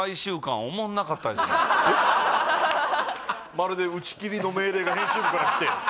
まるで打ち切りの命令が編集部からきて？